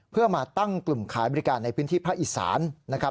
เพื่อมาตั้งกลุ่มขายบริการในพื้นที่ภาคอีสานนะครับ